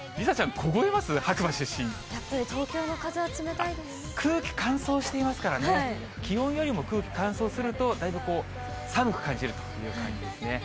やっぱり東京の風は冷たいで空気乾燥していますからね、きのうよりも空気乾燥すると、だいぶこう、寒く感じるという感じですね。